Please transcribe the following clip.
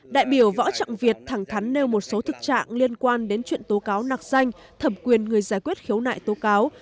đại biểu võ trọng việt thẳng thắn nêu một số thực trạng liên quan đến chuyện tố cáo nạc danh thẩm quyền người giải quyết khiếu nại tố cáo